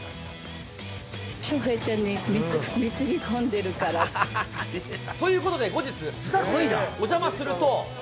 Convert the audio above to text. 翔平ちゃんに貢ぎ込んでるかということで後日、自宅へお邪魔すると。